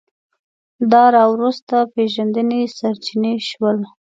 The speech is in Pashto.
د راوروسته پېژندنې سرچینې شول